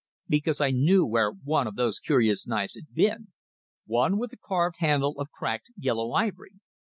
Because I knew where one of those curious knives had been one with a carved handle of cracked, yellow ivory.